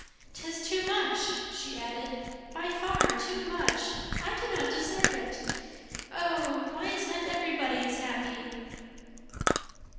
"'Tis too much!" she added, "by far too much. I do not deserve it. Oh, why is not everybody as happy?"